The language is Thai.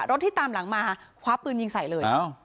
ที่ตามหลังมาคว้าปืนยิงใส่เลย